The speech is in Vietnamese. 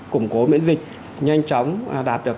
củng cố miễn dịch nhanh chóng đạt được